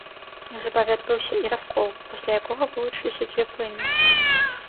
Неўзабаве адбыўся і раскол, пасля якога вылучыліся дзве плыні.